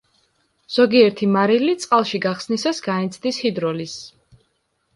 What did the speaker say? ზოგიერთი მარილი წყალში გახსნისას განიცდის ჰიდროლიზს.